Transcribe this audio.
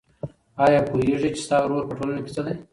آیا پوهېږې چې ستا رول په ټولنه کې څه دی؟